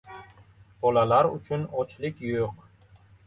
• Bolalar uchun ochlik yo‘q